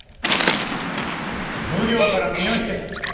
奉行から身を引けと。